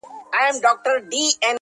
دومره ناهیلې ده چي ټول مزل ته رنگ ورکوي.